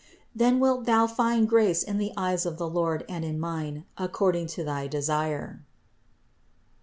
Then wilt thou find grace in the eyes of the Lord and in mine, according to thy desire.